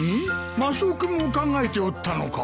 マスオ君も考えておったのか。